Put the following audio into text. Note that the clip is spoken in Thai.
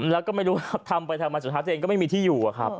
แล้วก็ไม่รู้ว่าทำไปทำมาสุดท้ายตัวเองก็ไม่มีที่อยู่อะครับ